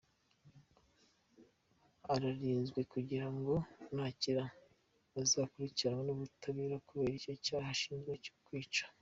Ararinzwe kugira ngo nakira azakurikiranwe n’ubutabera kubera icyo cyaha ashinjwa cyo kwica.